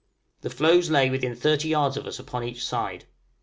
The floes lay within 30 yards of us upon each side.